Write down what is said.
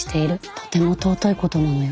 とても尊いことなのよ。